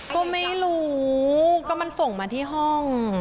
ก็ไม่รู้ก็มันส่งมาที่ห้อง